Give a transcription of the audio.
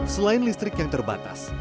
selain listrik yang terbatas